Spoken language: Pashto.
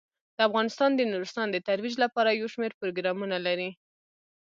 افغانستان د نورستان د ترویج لپاره یو شمیر پروګرامونه لري.